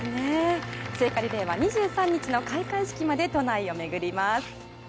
聖火リレーは２３日の開会式まで都内を巡ります。